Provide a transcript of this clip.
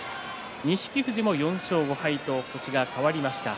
錦富士も４勝５敗と星が変わりました。